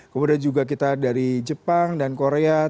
kemudian juga kita dari jepang dan korea